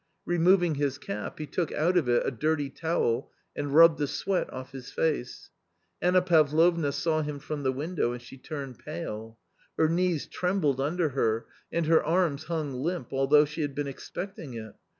Removing his cap, he took out of it a dirty towel and rubbed the sweat off his face. Anna Pavlovna saw him from the window, and she turned pale. Her knees trem bled under her, and her arms hung limp, although she had been expecting it.